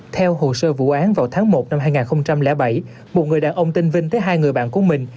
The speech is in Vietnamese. theo hồ sơ vụ án vào tháng một năm hai nghìn bảy một người đàn ông tên vinh tới hai người bạn của mình